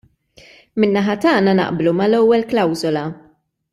Min-naħa tagħna naqblu mal-ewwel klawsola.